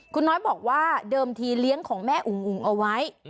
คุณน้อยบอกว่าเดิมทีเลี้ยงของแม่อุ๋งอุ๋งเอาไว้